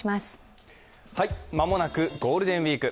間もなくゴールデンウイーク。